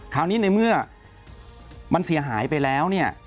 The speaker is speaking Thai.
คราวนี้ในเมื่อมันเสียหายไปแล้วเนี่ย